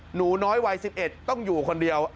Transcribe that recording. หนูน้อยวัย๑๑ต้องอยู่คนเดียว